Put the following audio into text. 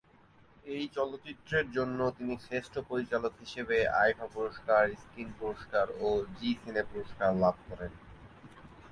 এই চলচ্চিত্রে জন্য তিনি শ্রেষ্ঠ পরিচালক হিসেবে আইফা পুরস্কার, স্ক্রিন পুরস্কার ও জি সিনে পুরস্কার লাভ করেন।